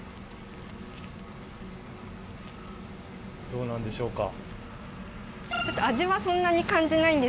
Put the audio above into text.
どうなんでしょうか？